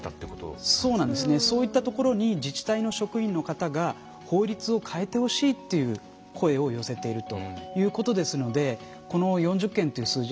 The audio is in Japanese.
そういったところに自治体の職員の方が「法律を変えてほしい」という声を寄せているということですのでこの４０件という数字はですね